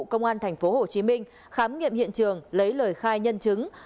công an tp hcm khám nghiệm hiện trường lấy lời khai nhân chứng